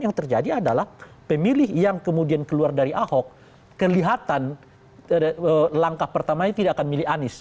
yang terjadi adalah pemilih yang kemudian keluar dari ahok kelihatan langkah pertamanya tidak akan milih anies